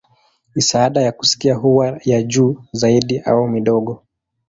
Misaada ya kusikia huwa ya juu zaidi au midogo.